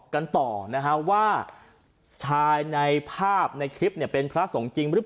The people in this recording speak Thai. กันต่อนะฮะว่าชายในภาพในคลิปเป็นพระสงฆ์จริงหรือเปล่า